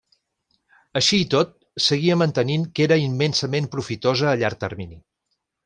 Així i tot, seguia mantenint que era immensament profitosa a llarg termini.